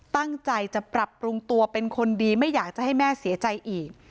ตั้งใจจะปรับปรุงตัวเป็นคนดีไม่อยากจะให้แม่เสียใจอีก